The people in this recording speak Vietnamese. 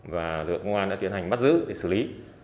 và lực lượng công an đã tiến hành bắt giữ để xử lý